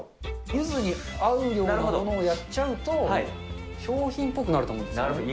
ゆずに合うようなものをやっちゃうと、商品っぽくなると思うんでなるほど。